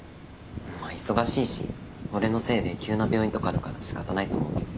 まあ忙しいし俺のせいで急な病院とかあるから仕方ないと思うけど。